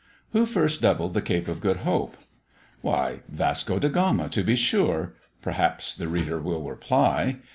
WHO FIRST DOUBLED THE CAPE OF GOOD HOPE? "Why, Vasco de Gama, to be sure" perhaps, the reader will reply.